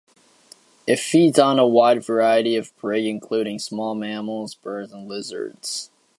It feeds on a wide variety of prey, including small mammals, birds, and lizards.